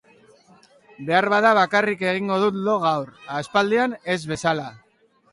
Behar bada bakarrik egingo dut lo gaur, aspaldian ez bezala.